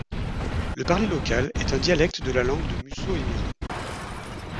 La parler local est un dialecte de la langue de Mussau-Emira.